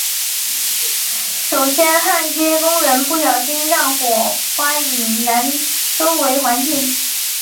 首先焊接工人不小心让火花引燃周围环境。